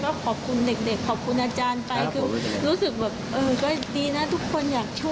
ก็ขอบคุณเด็กขอบคุณอาจารย์ไปคือรู้สึกแบบเออก็ดีนะทุกคนอยากช่วย